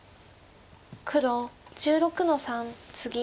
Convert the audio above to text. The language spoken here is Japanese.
黒１６の三ツギ。